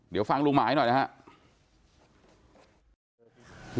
เดี๋ยวฟังลุงหมายหน่อยนะครับ